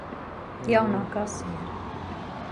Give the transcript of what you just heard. Jaunā kasiere.